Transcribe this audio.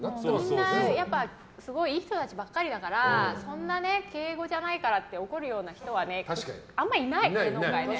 みんなやっぱりいい人たちばっかりだからそんな、敬語じゃないからって怒るような人はあんまいない、芸能界で。